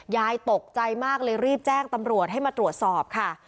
ยายตกใจมากเลยรีบแจ้งตำรวจให้มาตรวจสอบค่ะ